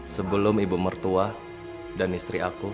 sebelum ibu mertua dan istri aku